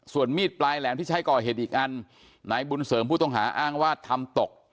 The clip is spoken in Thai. ส่วนมีดปลายแหลมที่ใช้ก่อเหตุอีกอันนายบุญเสริมผู้ต้องหาอ้างว่าทำตก